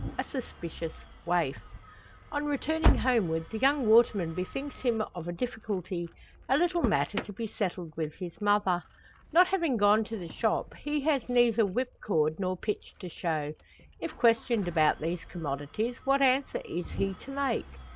A SUSPICIOUS WAIF. On returning homeward the young waterman bethinks him of a difficulty a little matter to be settled with his mother. Not having gone to the shop, he has neither whipcord nor pitch to show. If questioned about these commodities, what answer is he to make?